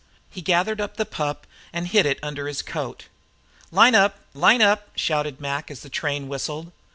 He gathered up the pup and hid him under his coat. "Line up! Line up!" shouted Mac, as the train whistled.